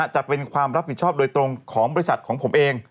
จะเป็นความรับผิดชอบโดยตรงของบริษัทของผมเอง